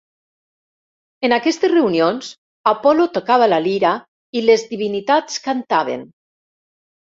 En aquestes reunions, Apol·lo tocava la lira i les divinitats cantaven.